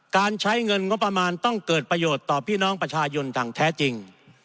การใช้เงินงบประมาณต้องเกิดประโยชน์ต่อพี่น้องประชาชนอย่างแท้จริง